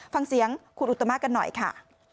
ฟังเสียงคุณอุตมะกันหน่อยค่ะ